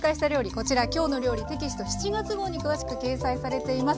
こちら「きょうの料理」テキスト７月号に詳しく掲載されています。